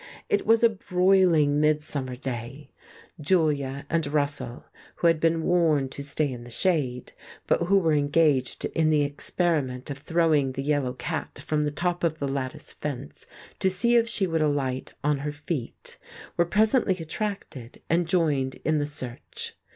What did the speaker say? It was a broiling, midsummer day; Julia and Russell, who had been warned to stay in the shade, but who were engaged in the experiment of throwing the yellow cat from the top of the lattice fence to see if she would alight on her feet, were presently attracted, and joined in the search.